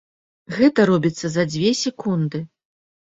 Гэта робіцца за дзве секунды.